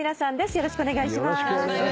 よろしくお願いします。